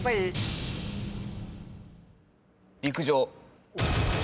陸上。